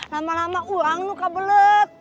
lama lama uang tuh kabelet